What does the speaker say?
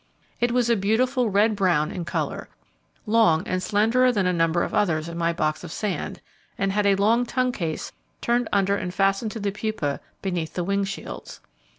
It was a beautiful red brown in colour, long and slenderer than a number of others in my box of sand, and had a long tongue case turned under and fastened to the pupa between the wing shields.